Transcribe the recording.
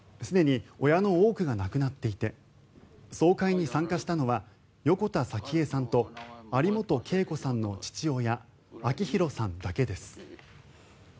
すでに親の多くが亡くなっていて総会に参加したのは横田早紀江さんと有本恵子さんの父親明弘さんだけです。